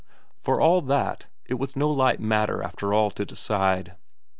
For all that, it was no light matter after all to decide.